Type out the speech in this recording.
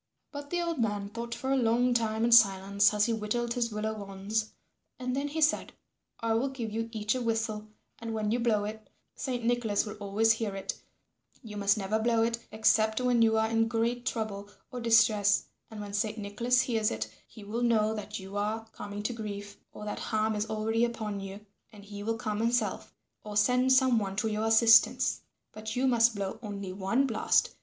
But the old man thought for a long time in silence as he whittled his willow wands, and then he said, "I will give you each a whistle, and when you blow it, Saint Nicholas will always hear it; you must never blow it except when you are in great trouble or distress, and when Saint Nicholas hears it he will know that you are coming to grief or that harm is already upon you and he will come himself or send some one to your assistance. But you must blow only one blast.